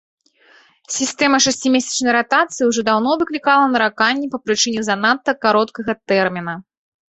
Сістэма шасцімесячнай ратацыі ўжо даўно выклікала нараканні па прычыне занадта кароткага тэрміна.